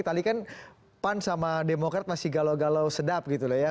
tadi kan pan sama demokrat masih galau galau sedap gitu loh ya